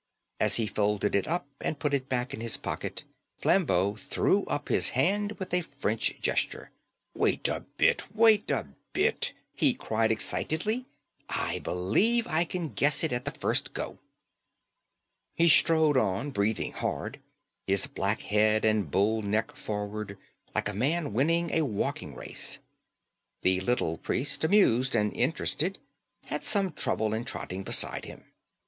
As he folded it up and put it back in his pocket Flambeau threw up his hand with a French gesture. "Wait a bit, wait a bit," he cried excitedly. "I believe I can guess it at the first go." He strode on, breathing hard, his black head and bull neck forward, like a man winning a walking race. The little priest, amused and interested, had some trouble in trotting beside him.